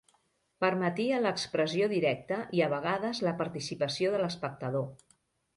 Permetia l'expressió directa i a vegades la participació de l'espectador.